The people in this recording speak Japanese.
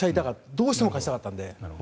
どうしても勝ちたかったので。